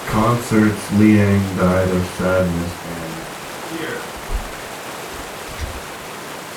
The Consorts Liang died of sadness and fear.